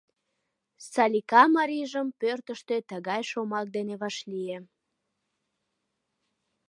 — Салика марийжым пӧртыштӧ тыгай шомак дене вашлие.